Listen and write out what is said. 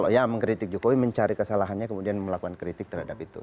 ya mengkritik jokowi mencari kesalahannya kemudian melakukan kritik terhadap itu